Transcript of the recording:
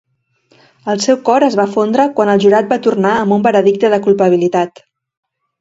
El seu cor es va fondre quan el jurat va tornar amb un veredicte de culpabilitat.